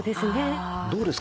どうですか？